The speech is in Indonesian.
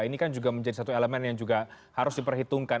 ini kan juga menjadi satu elemen yang juga harus diperhitungkan